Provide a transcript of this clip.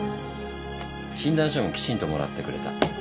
診断書もきちんともらってくれた。